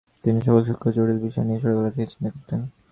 তিনি সকল সূক্ষ্ম ও জটিল বিষয় নিয়ে ছোটবেলা থেকে চিন্তা করতেন।